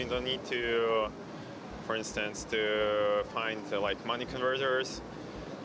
anda tidak perlu mencari penggunaan uang